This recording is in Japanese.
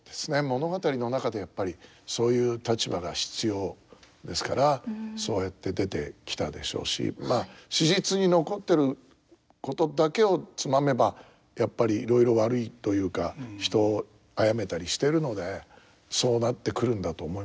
物語の中でやっぱりそういう立場が必要ですからそうやって出てきたでしょうしまあ史実に残ってることだけをつまめばやっぱりいろいろ悪いというか人を殺めたりしてるのでそうなってくるんだと思いますけど。